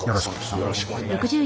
よろしくお願いします。